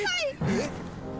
えっ！？